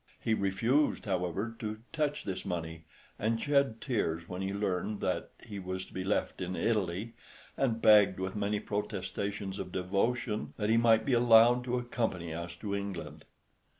He refused, however, to touch this money, and shed tears when he learnt that he was to be left in Italy, and begged with many protestations of devotion that he might be allowed to accompany us to England.